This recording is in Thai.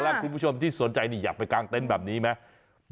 แล้วคุณผู้ชมที่สนใจนี่อยากไปกางเต็นต์แบบนี้ไหม